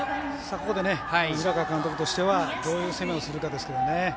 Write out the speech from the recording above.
ここで、平川監督としてはどういう攻めをするかですけど。